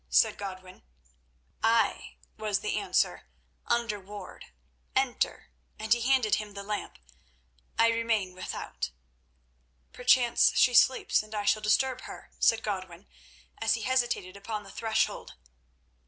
said Godwin. "Ay," was the answer, "under ward. Enter," and he handed him the lamp. "I remain without." "Perchance she sleeps, and I shall disturb her," said Godwin, as he hesitated upon the threshold.